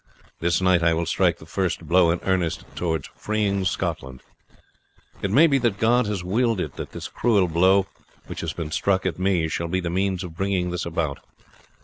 This night I will strike the first blow in earnest towards freeing Scotland. It may be that God has willed it that this cruel blow, which has been struck at me, shall be the means of bringing this about.